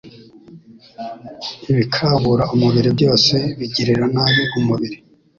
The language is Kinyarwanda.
Ibikabura umubiri byose bigirira nabi umubiri,